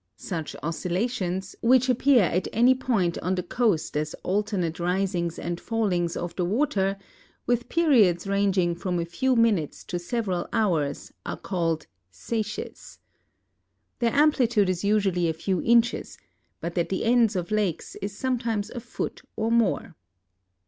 Such oscillations, which appear at an}' point on the coast as alternate risings and fallings of the water, with periods ranging from a few minutes to several hours, are called seiches. Their amplitude is usually a few inches, but at the ends of lakes is sometimes a foot or more.